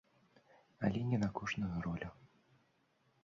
Але не на кожную ролю.